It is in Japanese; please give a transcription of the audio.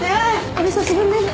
お久しぶりです。